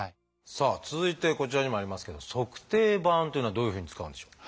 さあ続いてこちらにもありますけど「足底板」というのはどういうふうに使うんでしょう？